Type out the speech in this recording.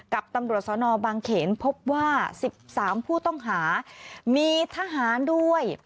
กับตำรวจสนบางเขนพบว่า๑๓ผู้ต้องหามีทหารด้วย